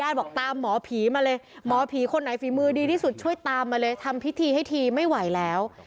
บอกตามหมอผีมาเลยหมอผีคนไหนฝีมือดีที่สุดช่วยตามมาเลยทำพิธีให้ทีไม่ไหวแล้ว